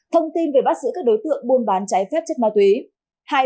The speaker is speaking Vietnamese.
thông tin về bắt giữ các đối tượng buôn bán trái phép chất ma túy